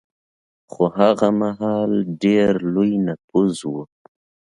خو هغه مهال ډېر لوی نفوس و